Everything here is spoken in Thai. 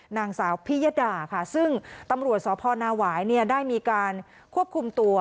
นางสาวพิยดาค่ะซึ่งตำรวจสพนาหวายเนี่ยได้มีการควบคุมตัว